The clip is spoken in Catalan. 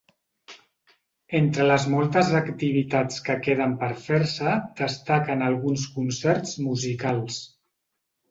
Entre les moltes activitats que queden per fer-se destaquen alguns concerts musicals.